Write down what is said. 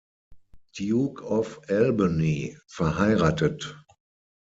Duke of Albany, verheiratet.